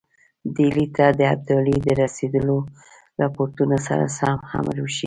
ډهلي ته د ابدالي د رسېدلو رپوټونو سره سم امر وشي.